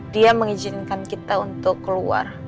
dia mengizinkan kita untuk keluar